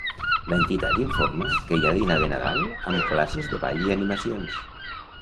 L'entitat informa que hi ha dinar de Nadal amb classes de ball i animacions.